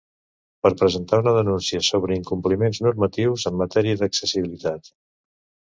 Per presentar una denúncia sobre incompliments normatius en matèria d'accessibilitat.